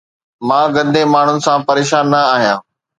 مان گندي ماڻهن سان پريشان نه آهيان